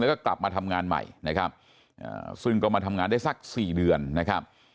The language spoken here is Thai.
แล้วก็กลับมาทำงานใหม่นะครับซึ่งก็มาทำงานได้สักสี่เดือนนะครับ